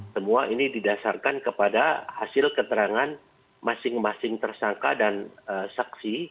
semua ini didasarkan kepada hasil keterangan masing masing tersangka dan saksi